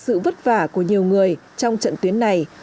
sự vất vả của nhiều người trong trận tuyến này